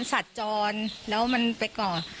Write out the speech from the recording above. สัตว์จรแล้วมันไปก่อ